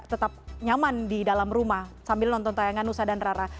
tetap nyaman di dalam rumah sambil nonton tayangan nusa dan rara